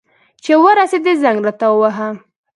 چي ورسېدې، زنګ راته ووهه.